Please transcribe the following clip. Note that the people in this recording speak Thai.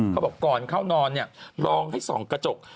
เขาบอกก่อนเข้านอนรองให้ส่องกระจก